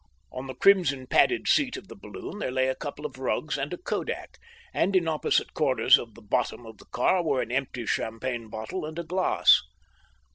On the crimson padded seat of the balloon there lay a couple of rugs and a Kodak, and in opposite corners of the bottom of the car were an empty champagne bottle and a glass.